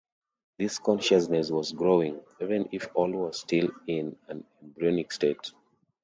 This consciousness was growing, even if all was still in an embryonic state.